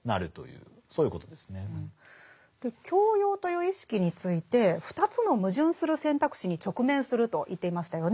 教養という意識について２つの矛盾する選択肢に直面すると言っていましたよね。